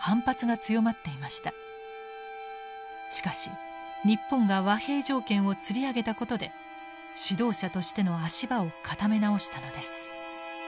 しかし日本が和平条件をつり上げたことで指導者としての足場を固め直したのです。